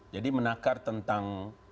jadi menakar tentang